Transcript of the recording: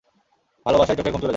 ভালোবাসায় চোখের ঘুম চলে যায়।